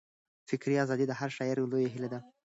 فکري ازادي د هر شاعر لویه هیله ده.